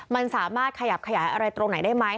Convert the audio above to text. มันสามารถขยับขยายอะไรตรงไหนได้ไหม